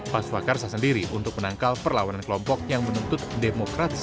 pam swakarsa sendiri untuk menangkal perlawanan kelompok yang menuntut demokratisasi